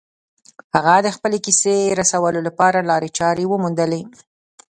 هغه د خپلې کیسې رسولو لپاره لارې چارې وموندلې